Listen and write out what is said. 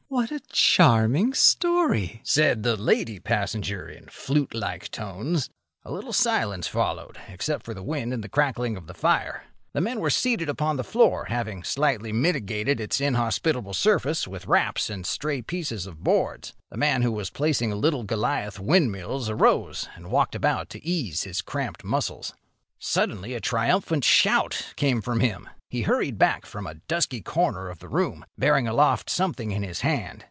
"What a charming story!" said the lady passenger, in flute like tones. A little silence followed, except for the wind and the crackling of the fire. The men were seated upon the floor, having slightly mitigated its inhospitable surface with wraps and stray pieces of boards. The man who was placing Little Goliath windmills arose and walked about to ease his cramped muscles. Suddenly a triumphant shout came from him. He hurried back from a dusky corner of the room, bearing aloft something in his hand.